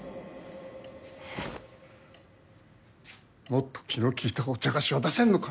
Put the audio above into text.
もっと気の利いたお茶菓子は出せんのか。